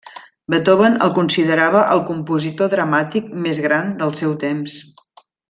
Beethoven el considerava el compositor dramàtic més gran del seu temps.